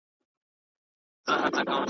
کلونه مي پر لار د انتظار کړلې شپې سپیني .